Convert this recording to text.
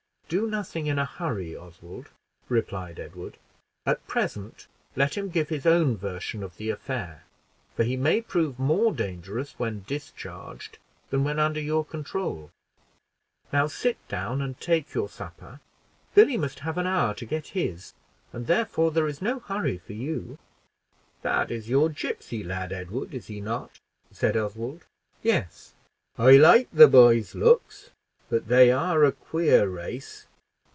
"Do nothing in a hurry, Oswald," replied Edward; "at present let him give his own version of the affair, for he may prove more dangerous when discharged than when under your control. Now sit down and take your supper. Billy must have an hour to get his, and therefore there is no hurry for you." "That is your gipsy lad, Edward, is he not?" said Oswald. "Yes." "I like the boy's looks; but they are a queer race.